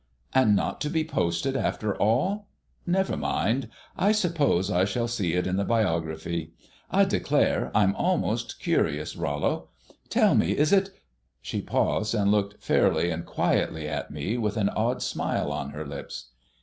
"And not to be posted after all? Never mind; I suppose I shall see it in the biography. I declare I'm almost curious, Rollo. Tell me, is it ?" She paused, and looked fairly and quietly at me, with an odd smile on her lips.